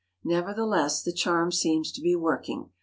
Nevertheless, the charm seems to be work ing.